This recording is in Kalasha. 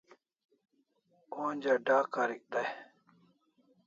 Onja d'a karik dai